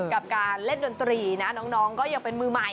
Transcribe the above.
กับการเล่นดนตรีนะน้องก็ยังเป็นมือใหม่